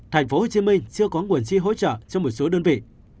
tp hcm chưa có nguồn chi hỗ trợ cho một số đơn vị